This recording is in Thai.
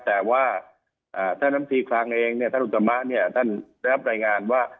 แต่ว่าท่านน้ำตีคลังเองเนี่ยท่านอุตมะเนี่ยท่านได้รับรายงานว่า